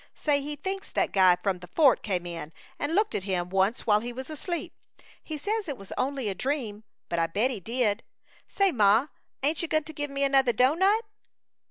Say, he thinks that guy from the fort came in and looked at him once while he was asleep. He says it was only a dream, but I bet he did. Say, Ma, ain't you gonta give me another doughnut?"